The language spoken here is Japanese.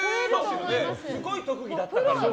すごい特技だった。